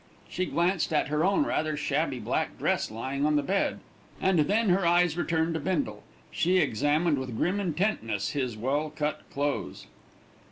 She glanced at her own rather shabby black dress lying on the bed, and then her eyes returned to Bindle. She examined with grim intentness his well cut clothes.